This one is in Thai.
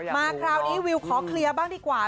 มาคราวนี้วิวขอเคลียร์บ้างดีกว่า